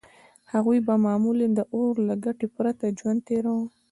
هغوی به معمولاً د اور له ګټې پرته ژوند تېراوه.